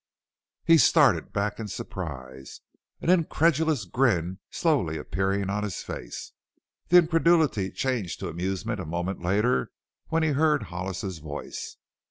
He started back in surprise, an incredulous grin slowly appearing on his face. The incredulity changed to amusement a moment later when he heard Hollis's voice!